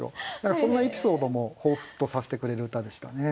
そんなエピソードもほうふつとさせてくれる歌でしたね。